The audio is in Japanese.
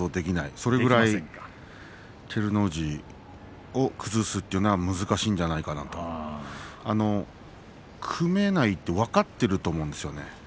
それぐらい照ノ富士を崩すというのは難しいんじゃないかなと組めないと分かっていると思うんですよね。